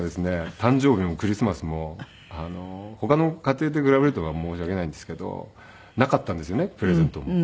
誕生日もクリスマスも他の家庭と比べるとか申し訳ないんですけどなかったんですよねプレゼント。